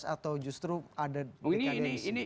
atau justru ada dki sini